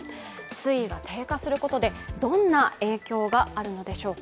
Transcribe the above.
水位が低下することでどんな影響があるのでしょうか。